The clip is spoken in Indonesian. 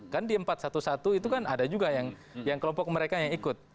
kan di empat ratus sebelas itu kan ada juga yang kelompok mereka yang ikut